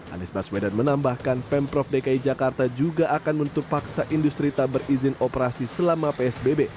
anies baswedan menambahkan pemprov dki jakarta juga akan menutup paksa industri tak berizin operasi selama psbb